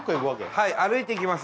はい歩いていきます